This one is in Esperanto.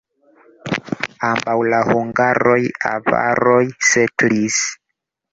Antaŭ la hungaroj avaroj setlis.